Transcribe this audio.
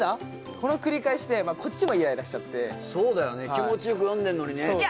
この繰り返しでこっちもイライラしちゃってそうだよね気持ちよく読んでるのにねいや